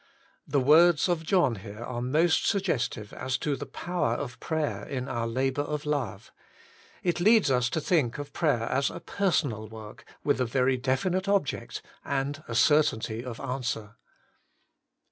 The words of John here are most suggestive as to the power of prayer in our labour of love. It leads us to think of prayer as a personal work; with a very definite object; and a certainty of answer.